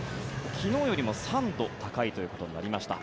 昨日よりも３度高いということになりました。